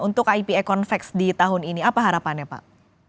untuk ipa convex di tahun ini apa harapannya pak